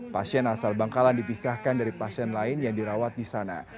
pasien asal bangkalan dipisahkan dari pasien lain yang dirawat di sana